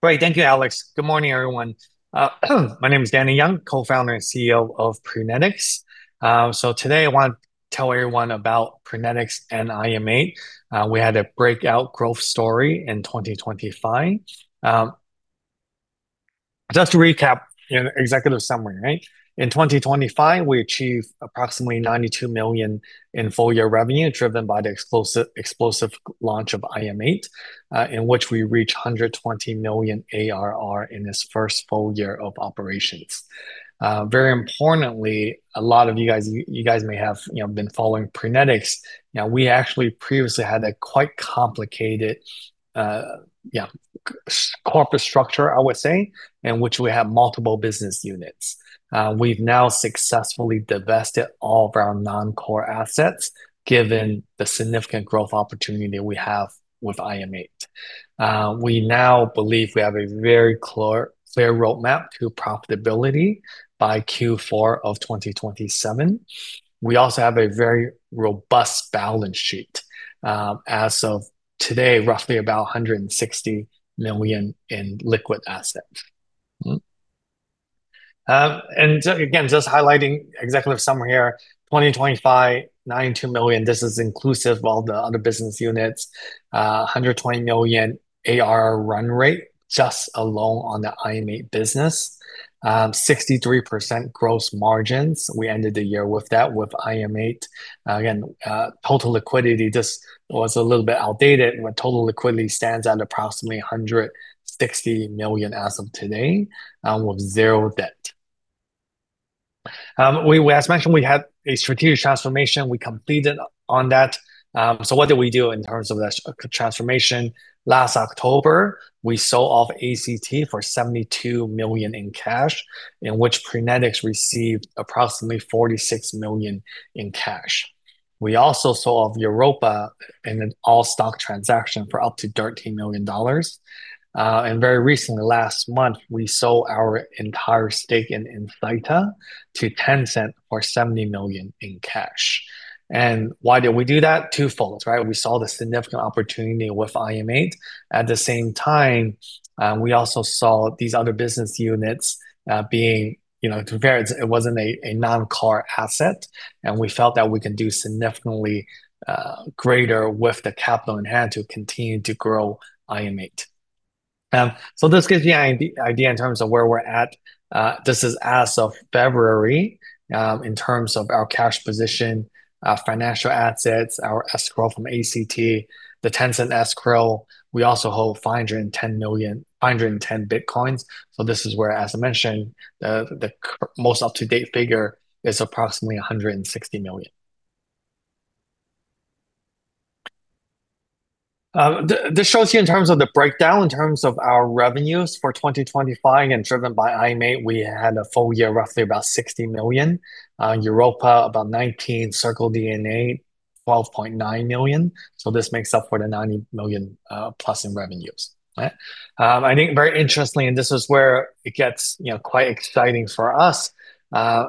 Great. Thank you, Alex. Good morning, everyone. My name is Danny Yeung, Co-Founder and CEO of Prenetics. Today, I want to tell everyone about Prenetics and IM8. We had a breakout growth story in 2025. Just to recap, you know, executive summary, right? In 2025, we achieved approximately $92 million in full-year revenue, driven by the explosive launch of IM8, in which we reached $120 million ARR in its first-full year of operations. Very importantly, a lot of you guys may have, you know, been following Prenetics. You know, we actually previously had a quite complicated, yeah, corporate structure, I would say, in which we have multiple business units. We've now successfully divested all of our non-core assets, given the significant growth opportunity we have with IM8. We now believe we have a very clear roadmap to profitability by Q4 of 2027. We also have a very robust balance sheet. As of today, roughly about $160 million in liquid assets. Again, just highlighting executive summary here. 2025, $92 million. This is inclusive of all the other business units. $120 million ARR run rate just alone on the IM8 business. 63% gross margins. We ended the year with that IM8. Again, total liquidity just was a little bit outdated. Our total liquidity stands at approximately $160 million as of today, with zero debt. As mentioned, we had a strategic transformation. We completed on that. What did we do in terms of the transformation? Last October, we sold off ACT for $72 million in cash, in which Prenetics received approximately $46 million in cash. We also sold off Europa in an all-stock transaction for up to $13 million. Very recently, last month, we sold our entire stake in Insighta to Tencent for $70 million in cash. Why did we do that? Twofold, right? We saw the significant opportunity with IM8. At the same time, we also saw these other business units, being, you know, compared, it wasn't a non-core asset, and we felt that we can do significantly greater with the capital in hand to continue to grow IM8. So this gives you an idea in terms of where we're at. This is as of February, in terms of our cash position, our financial assets, our escrow from ACT, the Tencent escrow. We also hold 510 million Bitcoins. This is where, as I mentioned, the most up-to-date figure is approximately $160 million. This shows you in terms of the breakdown, in terms of our revenues for 2025 and driven by IM8. We had a full-year, roughly about $60 million. Europa about $19 million, CircleDNA $12.9 million. This makes up for the $90 million, plus in revenues, right? I think very interestingly, and this is where it gets, you know, quite exciting for us,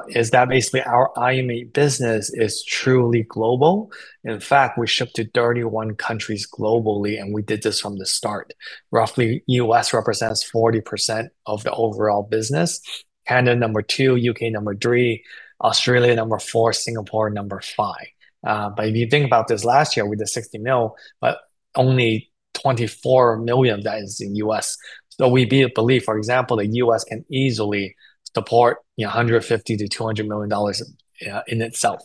is that basically our IM8 business is truly global. In fact, we ship to 31 countries globally, and we did this from the start. Roughly, U.S. represents 40% of the overall business. Canada, number two. U.K., number three. Australia, number four. Singapore, number five. If you think about this last year, we did $60 million, but only $24 million that is in U.S. We do believe, for example, the U.S. can easily support, you know, $150 million-$200 million in itself.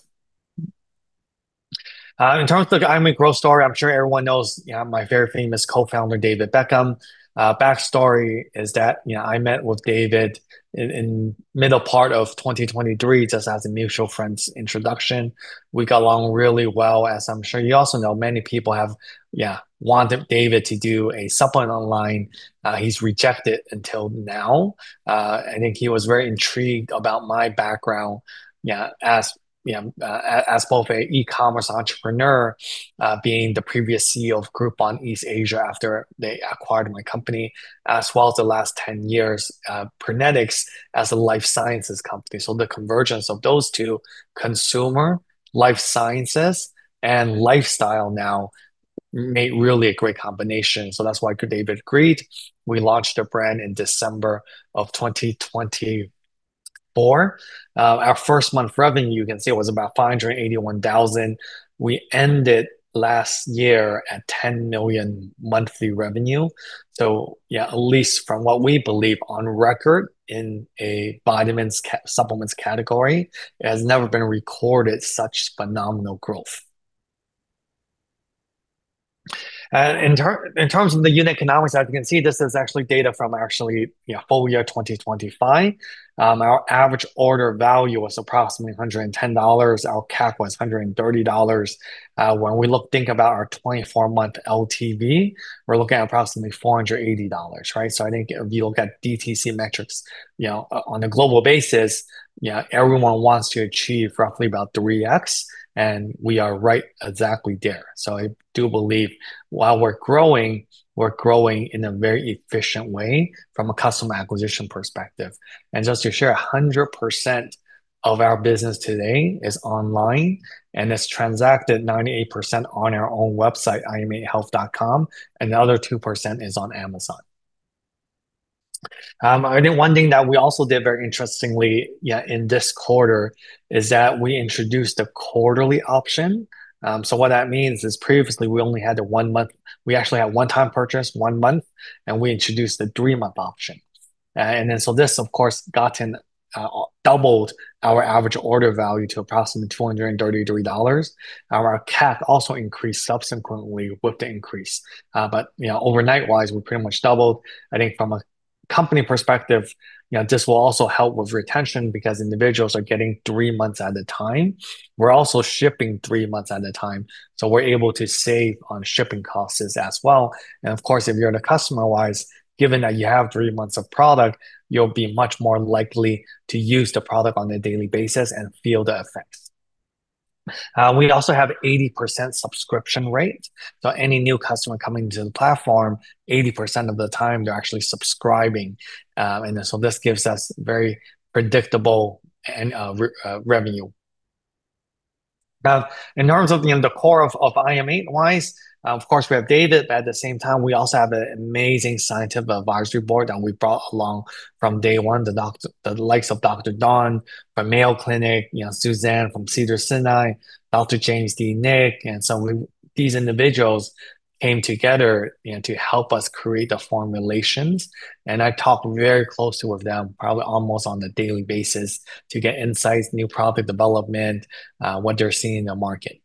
In terms of the IM8 growth story, I'm sure everyone knows, you know, my very famous Co-Founder, David Beckham. Backstory is that, you know, I met with David in middle part of 2023 just as a mutual friend's introduction. We got along really well. As I'm sure you also know, many people have, yeah, wanted David to do a supplement online. He's rejected until now. I think he was very intrigued about my background, you know, as both a e-commerce entrepreneur, being the previous CEO of Groupon East Asia after they acquired my company, as well as the last 10 years, Prenetics as a life sciences company. The convergence of those two, consumer life sciences and lifestyle now made really a great combination. That's why David agreed. We launched the brand in December of 2024. Our first-month revenue, you can see was about $581,000. We ended last year at $10 million monthly revenue. Yeah, at least from what we believe on record in a vitamins supplements category, it has never been recorded such phenomenal growth. In terms of the unit economics, as you can see, this is actually data from, you know, full-year 2025. Our average order value was approximately $110. Our CAC was $130. When we think about our 24-month LTV, we're looking at approximately $480, right? I think if you look at DTC metrics, you know, on a global basis, you know, everyone wants to achieve roughly about 3x, and we are right exactly there. I do believe while we're growing, we're growing in a very efficient way from a customer acquisition perspective. Just to share, 100% of our business today is online, and it's transacted 98% on our own website, im8health.com, and the other 2% is on Amazon. One thing that we also did very interestingly in this quarter is that we introduced a quarterly option. What that means is previously we only had one-time purchase, one month, and we introduced the three-month option. This, of course, doubled our average order value to approximately $233. Our CAC also increased subsequently with the increase. You know, overnight wise, we pretty much doubled. I think from a company perspective, you know, this will also help with retention because individuals are getting three months at a time. We're also shipping three months at a time, so we're able to save on shipping costs as well. Of course, if you're the customer-wise, given that you have three months of product, you'll be much more likely to use the product on a daily basis and feel the effects. We also have 80% subscription rate. Any new customer coming to the platform, 80% of the time they're actually subscribing. This gives us very predictable and recurring revenue. Now, in terms of, you know, the core of IM8-wise, of course, we have David. At the same time, we also have an amazing scientific advisory board that we brought along from day one, the likes of Dr. Dawn Mussallem from Mayo Clinic, you know, Suzanne Devkota from Cedars-Sinai, Dr. James DiNicolantonio. These individuals came together, you know, to help us create the formulations. I talk very closely with them, probably almost on a daily basis, to get insights, new product development, what they're seeing in the market.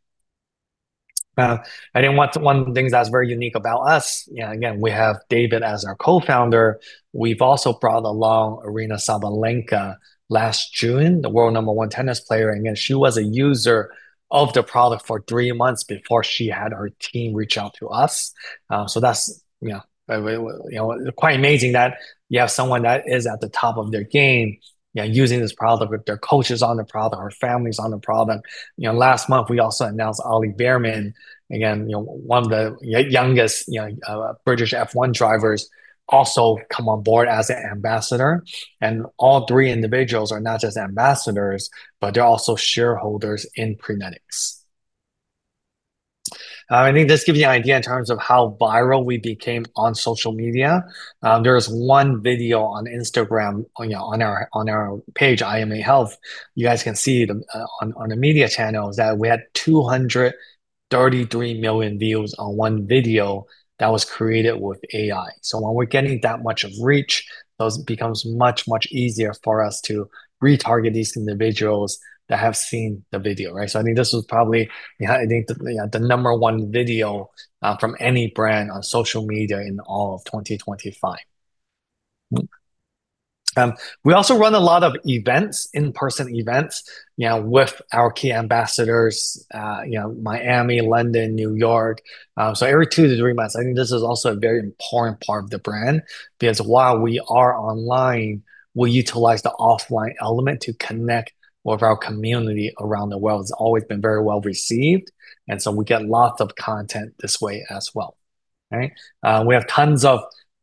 One of the things that's very unique about us, you know, again, we have David as our Co-Founder. We've also brought along Aryna Sabalenka last June, the world number one tennis player. Again, she was a user of the product for three months before she had her team reach out to us. That's, you know, quite amazing that you have someone that is at the top of their game, you know, using this product, with their coaches on the product, her family's on the product. You know, last month, we also announced Ollie Bearman, again, you know, one of the youngest, you know, British F1 drivers also come on board as an ambassador. All three individuals are not just ambassadors, but they're also shareholders in Prenetics. I think this gives you an idea in terms of how viral we became on social media. There is one video on Instagram, you know, on our, on our page, IM8 Health. You guys can see the, on the media channels that we had 233 million views on one video that was created with AI. When we're getting that much of reach, those becomes much, much easier for us to retarget these individuals that have seen the video, right? I think this was probably, you know, I think the number one video from any brand on social media in all of 2025. We also run a lot of events, in-person events, you know, with our key ambassadors, you know, Miami, London, New York. Every two to three months, I think this is also a very important part of the brand. Because while we are online, we utilize the offline element to connect with our community around the world. It's always been very well-received, and so we get lots of content this way as well. Right? We have tons of,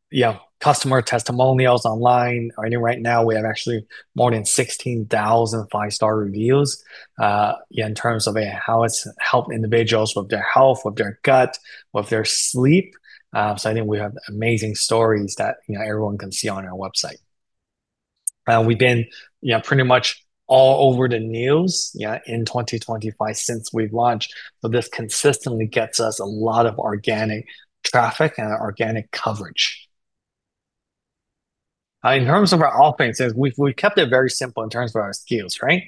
you know, customer testimonials online. I know right now we have actually more than 16,000 five-star reviews, yeah, in terms of how it's helped individuals with their health, with their gut, with their sleep. I think we have amazing stories that, you know, everyone can see on our website. We've been, you know, pretty much all over the news in 2025 since we've launched. This consistently gets us a lot of organic traffic and organic coverage. In terms of our offerings, we've kept it very simple in terms of our SKUs, right?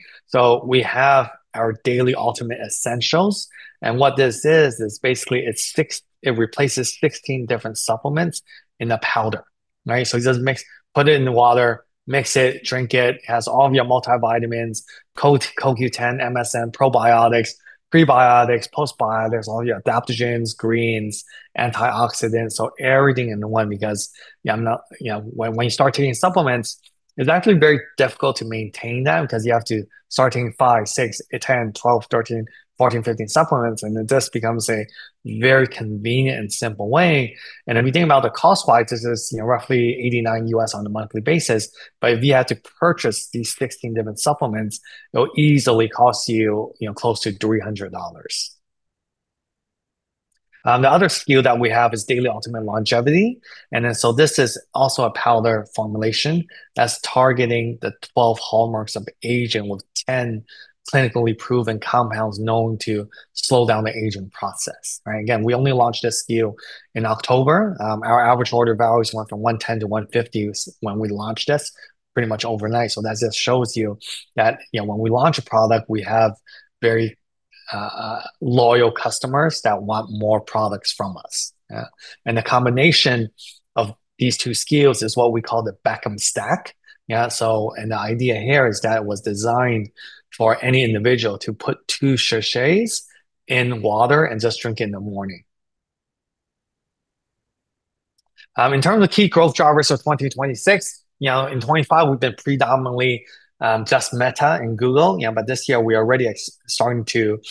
We have our Daily Ultimate Essentials, and what this is basically it's six, it replaces 16 different supplements in a powder, right? It just put it in water, mix it, drink it. It has all of your multivitamins, CoQ10, MSM, probiotics, prebiotics, postbiotics, all your adaptogens, greens, antioxidants. Everything in one, because, you know, when you start taking supplements, it's actually very difficult to maintain that because you have to start taking five, six, 10, 12, 13, 14, 15 supplements, and it just becomes a very convenient and simple way. If you think about the cost-wise, this is, you know, roughly $89 on a monthly basis. If you had to purchase these 16 different supplements, it'll easily cost you know, close to $300. The other SKU that we have is Daily Ultimate Longevity. This is also a powder formulation that's targeting the 12 hallmarks of aging with 10 clinically proven compounds known to slow down the aging process, right? Again, we only launched this SKU in October. Our average order value has went from $110-$150 when we launched this pretty much overnight. That just shows you that, you know, when we launch a product, we have very loyal customers that want more products from us. The combination of these two SKUs is what we call the Beckham Stack. Yeah, the idea here is that it was designed for any individual to put two sachets in water and just drink in the morning. In terms of key growth drivers for 2026, you know, in 2025 we've been predominantly just Meta and Google. You know, but this year we are already starting to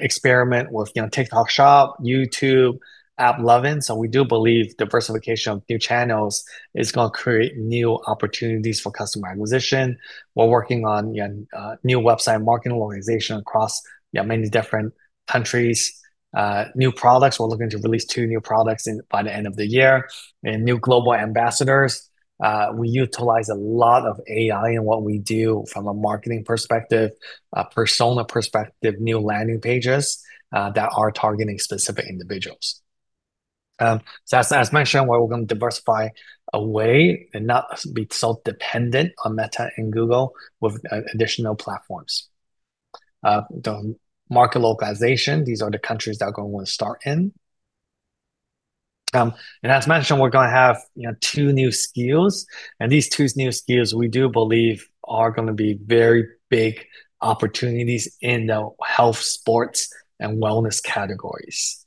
experiment with, you know, TikTok Shop, YouTube, AppLovin. We do believe diversification of new channels is gonna create new opportunities for customer acquisition. We're working on, you know, new website and marketing localization across, you know, many different countries. New products, we're looking to release two new products by the end of the year. New global ambassadors, we utilize a lot of AI in what we do from a marketing perspective, a persona perspective, new landing pages that are targeting specific individuals. As mentioned, we're going to diversify away and not be so dependent on Meta and Google with additional platforms. The market localization, these are the countries that we're going to want to start in. As mentioned, we're gonna have, you know, two new SKUs. These two new SKUs, we do believe are gonna be very big opportunities in the health, sports, and wellness categories.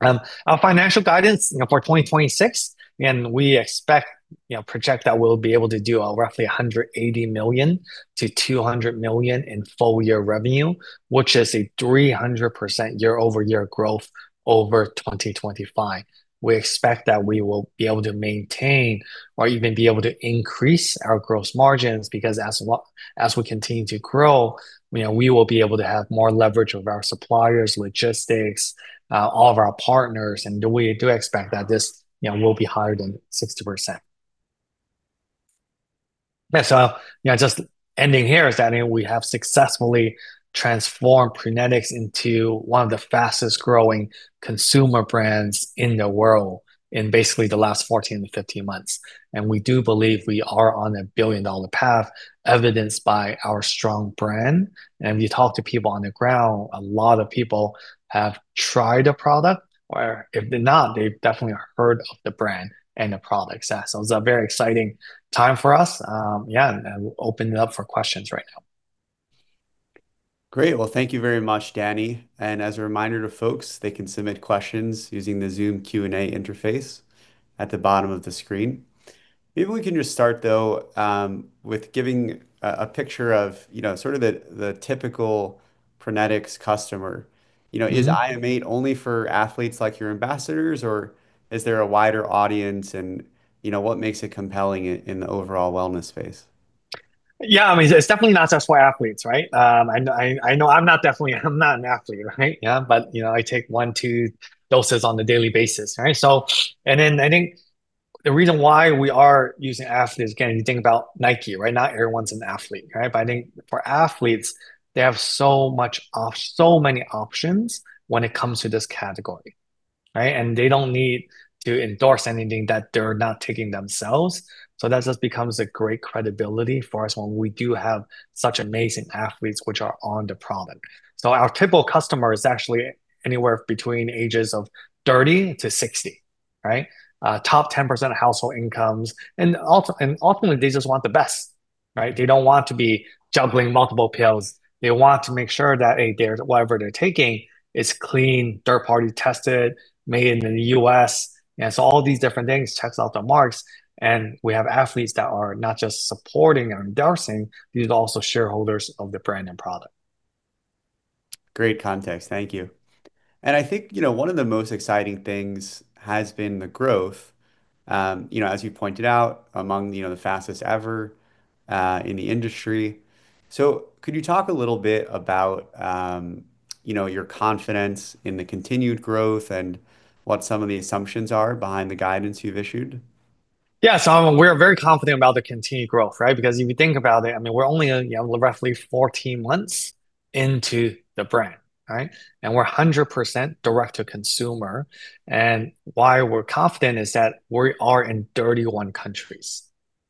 Our financial guidance, you know, for 2026, and we expect, you know, project that we'll be able to do, roughly $180 million-$200 million in full year revenue, which is a 300% year-over-year growth over 2025. We expect that we will be able to maintain or even be able to increase our gross margins, because as we continue to grow, you know, we will be able to have more leverage with our suppliers, logistics, all of our partners, and we do expect that this, you know, will be higher than 60%. You know, just ending here is that we have successfully transformed Prenetics into one of the fastest-growing consumer brands in the world in basically the last 14-15 months. We do believe we are on a billion-dollar path, evidenced by our strong brand. If you talk to people on the ground, a lot of people have tried the product, or if they've not, they've definitely heard of the brand and the product. It's a very exciting time for us. Open it up for questions right now. Great. Well, thank you very much, Danny. As a reminder to folks, they can submit questions using the Zoom Q&A interface at the bottom of the screen. Maybe we can just start, though, with giving a picture of, you know, sort of the typical Prenetics customer. You know. Mm-hmm Is IM8 only for athletes like your ambassadors, or is there a wider audience? You know, what makes it compelling in the overall wellness space? I mean, it's definitely not just for athletes, right? I know I'm not an athlete, right? You know, I take one, two doses on a daily basis, right? I think the reason why we are using athletes, again, you think about Nike, right? Not everyone's an athlete, right? I think for athletes, they have so many options when it comes to this category, right? They don't need to endorse anything that they're not taking themselves. That just becomes a great credibility for us when we do have such amazing athletes which are on the product. Our typical customer is actually anywhere between ages of 30 to 60, right? Top 10% of household incomes. Ultimately, they just want the best, right? They don't want to be juggling multiple pills. They want to make sure that, A, they're whatever they're taking is clean, third-party tested, made in the U.S. You know, so all these different things checks all the boxes. We have athletes that are not just supporting or endorsing. These are also shareholders of the brand and product. Great context. Thank you. I think, you know, one of the most exciting things has been the growth, you know, as you pointed out, among, you know, the fastest ever, in the industry. Could you talk a little bit about, you know, your confidence in the continued growth and what some of the assumptions are behind the guidance you've issued? Yeah. We're very confident about the continued growth, right? Because if you think about it, I mean, we're only, you know, roughly 14 months into the brand, right? We're 100% direct to consumer. Why we're confident is that we are in 31 countries.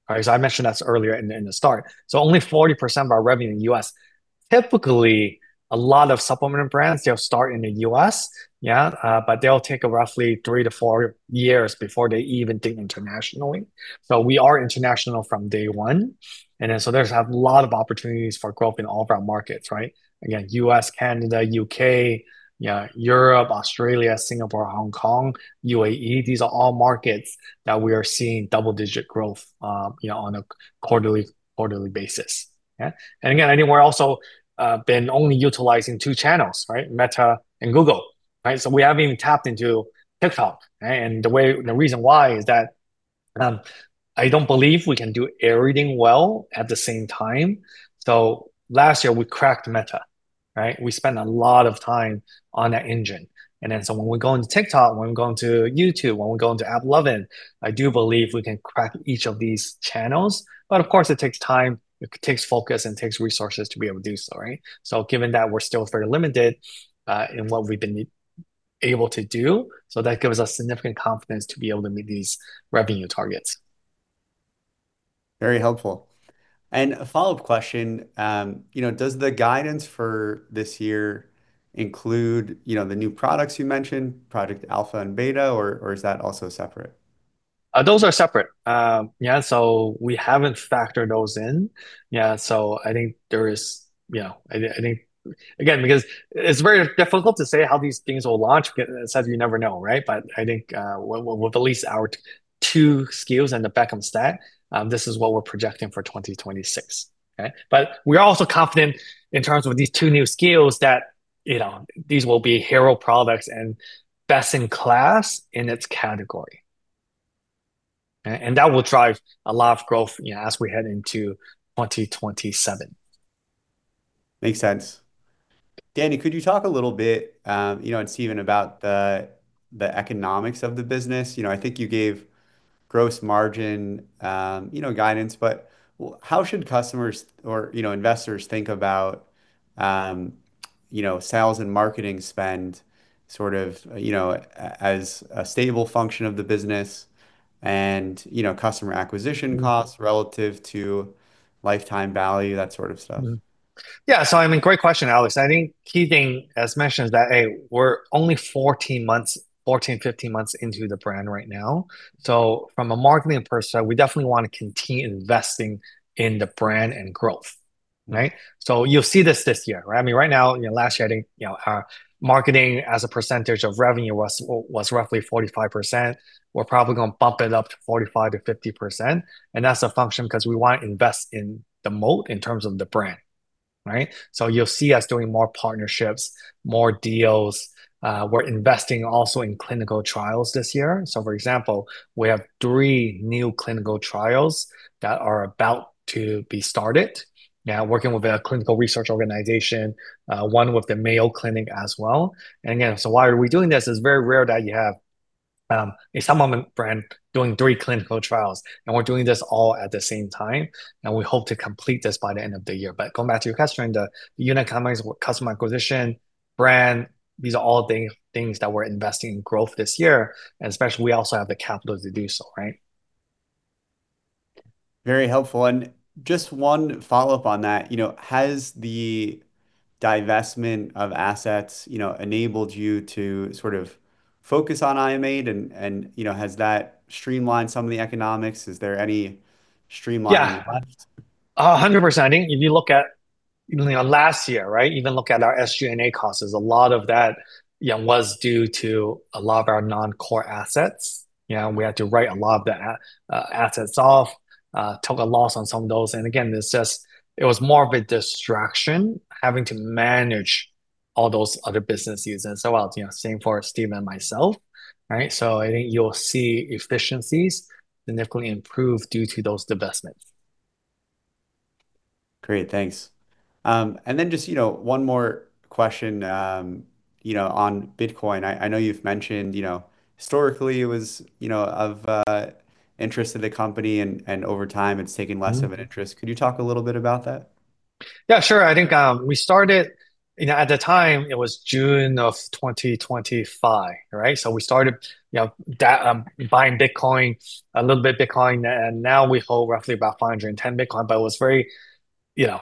All right. I mentioned this earlier in the start. Only 40% of our revenue in the U.S. Typically, a lot of supplement brands, they'll start in the U.S., but they'll take roughly three to four years before they even think internationally. We are international from day one, and then there's a lot of opportunities for growth in all of our markets, right? Again, U.S., Canada, U.K., you know, Europe, Australia, Singapore, Hong Kong, U.A.E. These are all markets that we are seeing double-digit growth, you know, on a quarterly basis. Yeah. Again, I think we're also been only utilizing two channels, right? Meta and Google, right? We haven't even tapped into TikTok. The reason why is that, I don't believe we can do everything well at the same time. Last year, we cracked Meta. Right? We spent a lot of time on that engine. When we go into TikTok, when we go into YouTube, when we go into AppLovin, I do believe we can crack each of these channels. Of course, it takes time, it takes focus, and takes resources to be able to do so, right? Given that we're still very limited in what we've been able to do, that gives us significant confidence to be able to meet these revenue targets. Very helpful. A follow-up question, you know, does the guidance for this year include, you know, the new products you mentioned, Project Alpha and Beta, or is that also separate? Those are separate. Yeah, we haven't factored those in. Yeah, I think there is, you know, I think again, because it's very difficult to say how these things will launch, because as I said, you never know, right? I think, with at least our two SKUs and the Beckham Stack, this is what we're projecting for 2026. Okay? We're also confident in terms of these two new SKUs that, you know, these will be hero products and best in class in its category. And that will drive a lot of growth, you know, as we head into 2027. Makes sense. Danny, could you talk a little bit, you know, and Steven, about the economics of the business? You know, I think you gave gross margin guidance, but how should customers or, you know, investors think about, you know, sales and marketing spend sort of, you know, as a stable function of the business and, you know, customer acquisition costs relative to lifetime value, that sort of stuff? I mean, great question, Alex. I think key thing, as mentioned, is that, A, we're only 15 months into the brand right now. From a marketing perspective, we definitely wanna continue investing in the brand and growth, right? You'll see this year, right? I mean, right now, in the last year, I think, you know, our marketing as a percentage of revenue was roughly 45%. We're probably gonna bump it up to 45%-50%, and that's a function 'cause we wanna invest in the moat in terms of the brand, right? You'll see us doing more partnerships, more deals. We're investing also in clinical trials this year. For example, we have three new clinical trials that are about to be started, now working with a clinical research organization, one with the Mayo Clinic as well. Again, why are we doing this? It's very rare that you have a supplement brand doing three clinical trials, and we're doing this all at the same time, and we hope to complete this by the end of the year. Going back to your question, the unit economics, customer acquisition, brand, these are all things that we're investing in growth this year, and especially we also have the capital to do so, right? Very helpful. Just one follow-up on that. You know, has the divestment of assets, you know, enabled you to sort of focus on IM8, and you know, has that streamlined some of the economics? Is there any streamlining left? Yeah. 100%. I think if you look at even last year, right, even look at our SG&A costs, there's a lot of that was due to a lot of our non-core assets. Yeah, we had to write a lot of the assets off, took a loss on some of those. Again, it was more of a distraction having to manage all those other businesses as well, you know, same for Steve and myself, right? I think you'll see efficiencies significantly improve due to those divestments. Great. Thanks. Just, you know, one more question, you know, on Bitcoin. I know you've mentioned, you know, historically it was, you know, of interest to the company and over time it's taken less- Mm-hmm of an interest. Could you talk a little bit about that? Yeah, sure. I think we started, you know, at the time it was June of 2025, right? We started, you know, buying Bitcoin, a little bit Bitcoin, and now we hold roughly about 510 Bitcoin. It was very, you know,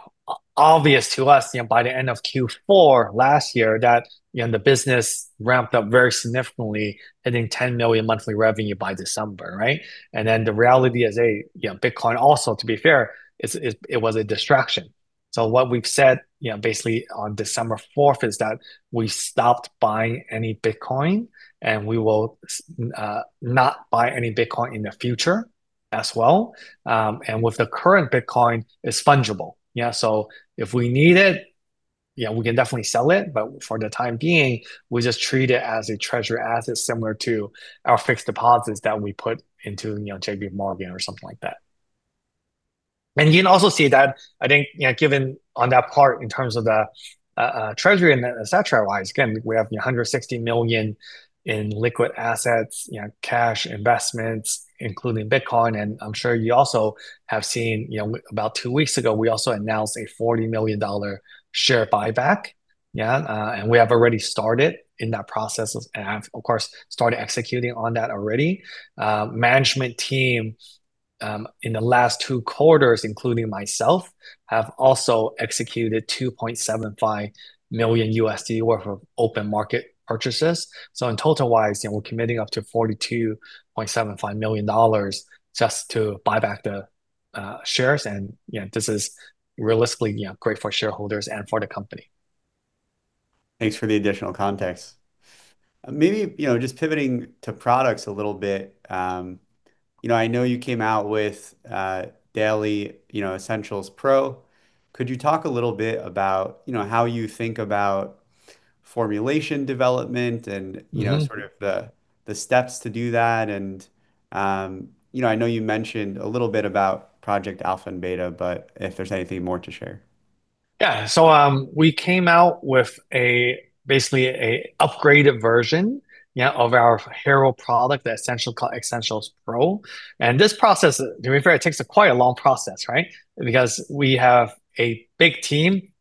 obvious to us, you know, by the end of Q4 last year that, you know, the business ramped up very significantly, hitting $10 million monthly revenue by December, right? Then the reality is, A, you know, Bitcoin also, to be fair, it was a distraction. What we've said, you know, basically on December fourth is that we stopped buying any Bitcoin, and we will not buy any Bitcoin in the future as well. With the current Bitcoin, it's fungible. Yeah, if we need it, yeah, we can definitely sell it, but for the time being, we just treat it as a treasury asset similar to our fixed deposits that we put into, you know, JPMorgan or something like that. You can also see that, I think, you know, given on that part in terms of the treasury and et cetera-wise, again, we have, you know, $160 million in liquid assets, you know, cash investments, including Bitcoin. I'm sure you also have seen, you know, about two weeks ago, we also announced a $40 million share buyback. Yeah, and we have already started in that process of, and have, of course, started executing on that already. Management team in the last two quarters, including myself, have also executed $2.75 million worth of open market purchases. So in total-wise, you know, we're committing up to $42.75 million just to buy back the shares. This is realistically, you know, great for shareholders and for the company. Thanks for the additional context. Maybe, you know, just pivoting to products a little bit, you know, I know you came out with Daily Ultimate Essentials PRO. Could you talk a little bit about, you know, how you think about formulation development and- Mm-hmm You know, sort of the steps to do that? You know, I know you mentioned a little bit about Project Alpha and Beta, but if there's anything more to share. Yeah. So, we came out with basically a upgraded version, yeah, of our hero product, the Daily Ultimate Essentials PRO. This process, to be fair, it takes quite a long process, right? Because we have a big team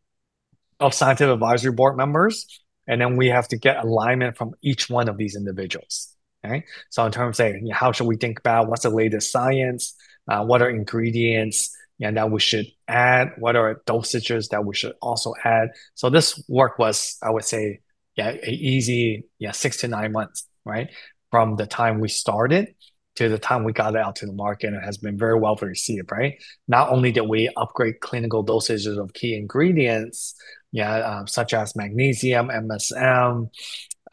of scientific advisory board members, and then we have to get alignment from each one of these individuals. Okay? In terms of saying, how should we think about what's the latest science, what are ingredients, you know, that we should add, what are dosages that we should also add. This work was, I would say, yeah, a easy, yeah, six to nine months, right, from the time we started to the time we got it out to the market, and it has been very well received, right? Not only did we upgrade clinical dosages of key ingredients, such as magnesium, MSM,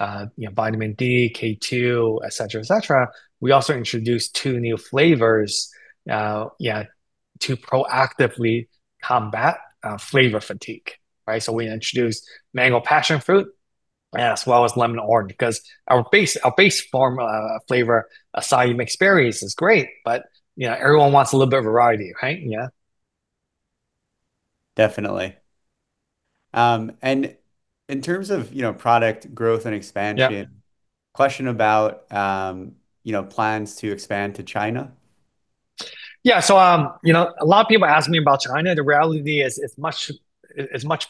you know, vitamin D, K2, et cetera, we also introduced two new flavors to proactively combat flavor fatigue, right? We introduced mango passion fruit, as well as lemon orange, 'cause our base formula flavor, Açaí Mixed Berries, is great, but you know, everyone wants a little bit of variety, right? Definitely. In terms of, you know, product growth and expansion. Yeah. Question about, you know, plans to expand to China? Yeah. A lot of people ask me about China. The reality is it's much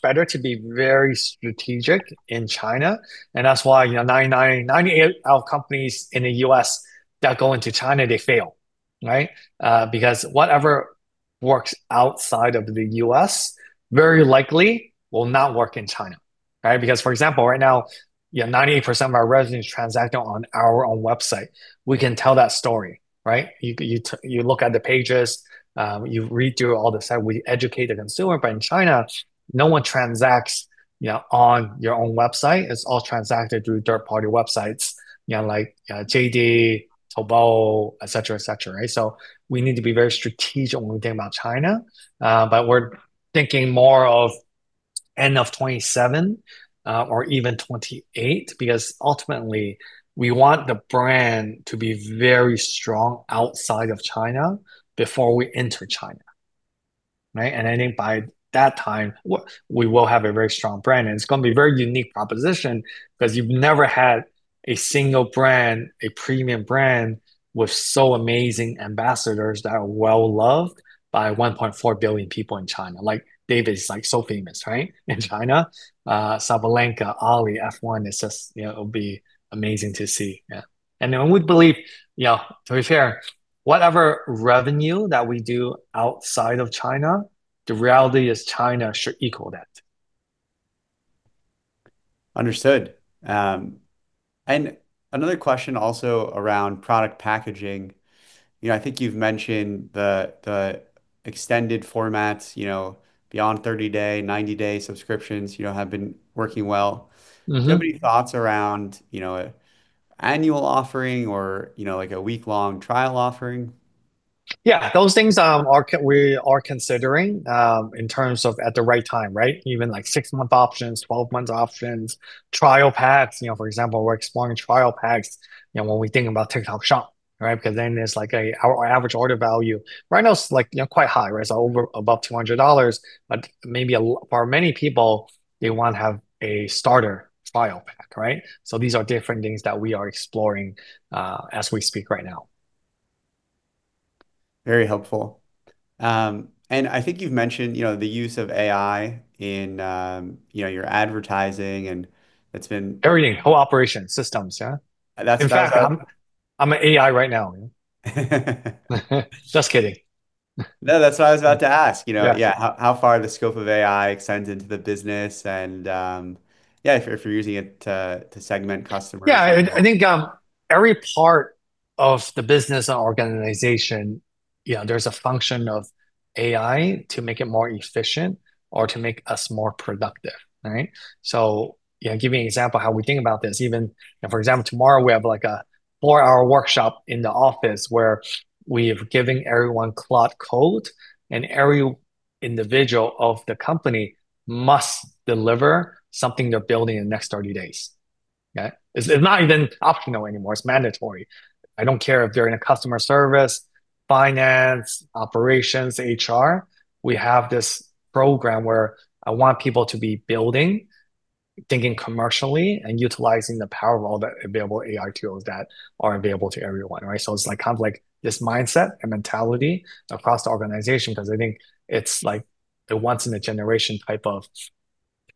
better to be very strategic in China, and that's why, you know, 99, 98% of companies in the U.S. that go into China, they fail, right? Because whatever works outside of the U.S. very likely will not work in China, right? Because, for example, right now, you have 98% of our revenue is transacted on our own website. We can tell that story, right? You look at the pages, you read through all the site, we educate the consumer. But in China, no one transacts, you know, on your own website. It's all transacted through third-party websites, you know, like, JD, Taobao, et cetera. We need to be very strategic when we think about China, but we're thinking more of end of 2027, or even 2028 because ultimately we want the brand to be very strong outside of China before we enter China, right? I think by that time we will have a very strong brand, and it's gonna be a very unique proposition because you've never had a single brand, a premium brand with so amazing ambassadors that are well-loved by 1.4 billion people in China. Like David's, like, so famous, right, in China. Sabalenka, Ollie, F1, it's just. You know, it'll be amazing to see. Yeah. Then we believe, you know, to be fair, whatever revenue that we do outside of China, the reality is China should equal that. Understood. Another question also around product packaging. You know, I think you've mentioned the extended formats, you know, beyond 30-day, 90-day subscriptions, you know, have been working well. Mm-hmm. Many thoughts around, you know, annual offering or, you know, like a week-long trial offering. Yeah. Those things we are considering in terms of at the right time, right? Even like six-month options, 12-month options, trial packs. You know, for example, we're exploring trial packs, you know, when we think about TikTok Shop, right? Because then there's our average order value right now is, like, you know, quite high, right? It's over above $200, but maybe for many people, they wanna have a starter trial pack, right? These are different things that we are exploring as we speak right now. Very helpful. I think you've mentioned, you know, the use of AI in, you know, your advertising and it's been- Everything. Whole operating systems, yeah. That's. In fact, I'm AI right now. Just kidding. No, that's what I was about to ask, you know. Yeah. How far the scope of AI extends into the business and, yeah, if you're using it to segment customers? Yeah. I think every part of the business organization, you know, there's a function of AI to make it more efficient or to make us more productive, right? So, you know, give you an example how we think about this. Even, you know, for example, tomorrow we have like a four-hour workshop in the office where we're giving everyone Claude Code, and every individual of the company must deliver something they're building in the next 30 days, okay? It's not even optional anymore, it's mandatory. I don't care if they're in customer service, finance, operations, HR, we have this program where I want people to be building, thinking commercially, and utilizing the power of all the available AI tools that are available to everyone, right? It's like kind of like this mindset and mentality across the organization 'cause I think it's like the once in a generation type of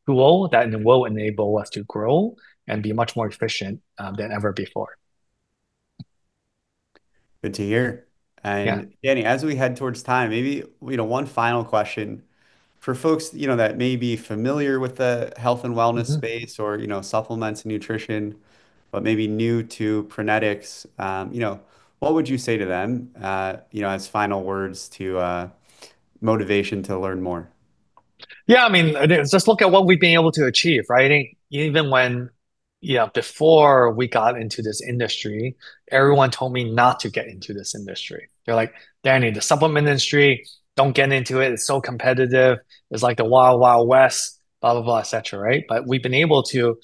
tool that will enable us to grow and be much more efficient than ever before. Good to hear. Yeah. Danny, as we head towards time, maybe, you know, one final question. For folks, you know, that may be familiar with the health and wellness space or, you know, supplements and nutrition, but maybe new to Prenetics, you know, what would you say to them as final words to motivate to learn more? Yeah, I mean, just look at what we've been able to achieve, right? I think, you know, before we got into this industry, everyone told me not to get into this industry. They're like, "Danny, the supplement industry, don't get into it. It's so competitive. It's like the Wild Wild West," blah, blah, et cetera, right? We've been able to,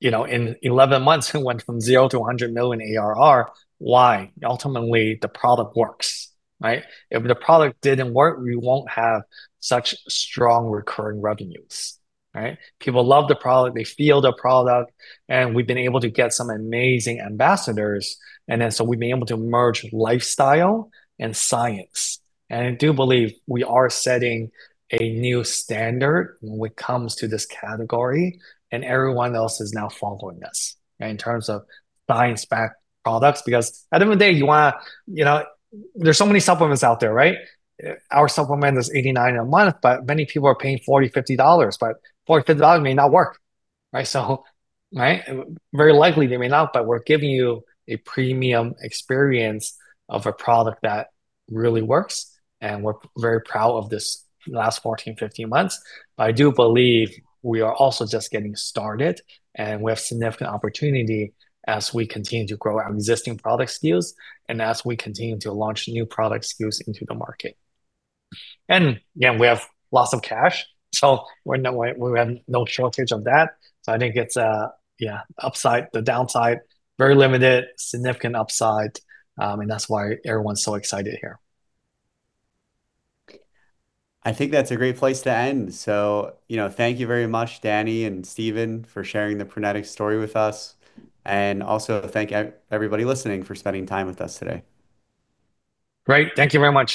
you know, in 11 months, we went from zero to $100 million ARR. Why? Ultimately, the product works, right? If the product didn't work, we won't have such strong recurring revenues, right? People love the product. They feel the product, and we've been able to get some amazing ambassadors. We've been able to merge lifestyle and science. I do believe we are setting a new standard when it comes to this category, and everyone else is now following us in terms of buying stack products because at the end of the day, you wanna. You know, there's so many supplements out there, right? Our supplement is $89 a month, but many people are paying $40, $50, but $40, $50 may not work, right? So, right? Very likely they may not, but we're giving you a premium experience of a product that really works, and we're very proud of this last 14-15 months. I do believe we are also just getting started, and we have significant opportunity as we continue to grow our existing product SKUs and as we continue to launch new product SKUs into the market. You know, we have lots of cash, so we have no shortage of that. I think it's yeah, upside, the downside very limited, significant upside, and that's why everyone's so excited here. I think that's a great place to end. You know, thank you very much, Danny and Steven, for sharing the Prenetics story with us. Also thank everybody listening for spending time with us today. Great. Thank you very much.